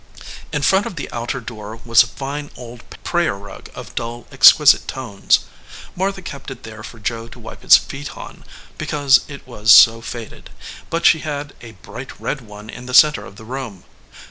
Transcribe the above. In front of the outer door was a fine old prayer rug of dull, exquisite tones. Martha kept it there for Joe to wipe his feet on, because it was so faded, but she had a bright red one in the center of the room.